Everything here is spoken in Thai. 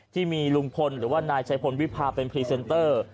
ที่มีลุงพลหรือว่านายชัยพลวิพาเป็นพรีเซนเตอร์